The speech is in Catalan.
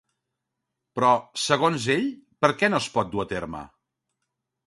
Però, segons ell, per què no es pot dur a terme?